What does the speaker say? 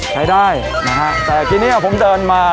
ใช้ได้นะฮะแต่ทีนี้ผมเดินมา